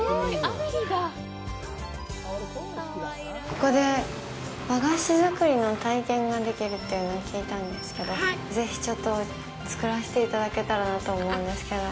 ここで和菓子作りの体験ができるっていうのを聞いたんですけどぜひちょっと作らせていただけたらなと思うんですけど。